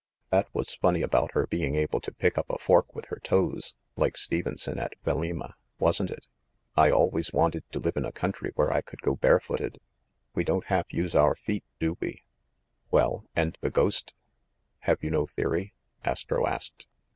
That was funny about her being able to pick up a fork with her toes, like Stevenson at Vailima, wasn't it? I always wanted to live in a country where I could go barefooted. We don't half use our feet, do we ?" "Well ‚ÄĒ and the ghost? Have you no theory?" Astro asked.